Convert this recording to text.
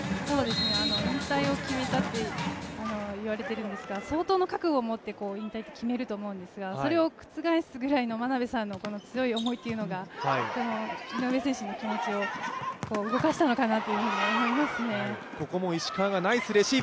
引退を決めたと言われているんですが、相当の覚悟を持って引退って決めると思うんですがそれを覆すぐらいの眞鍋さんの強い思いっていうのが井上選手の気持ちを動かしたのかなと思いますね。